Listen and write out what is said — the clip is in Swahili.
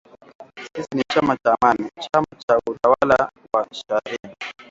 “Sisi ni chama cha Amani, chama cha utawala wa sharia''